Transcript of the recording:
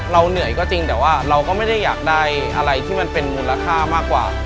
เหนื่อยก็จริงแต่ว่าเราก็ไม่ได้อยากได้อะไรที่มันเป็นมูลค่ามากกว่า